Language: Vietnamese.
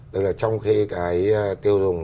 tức là trong khi cái tiêu dùng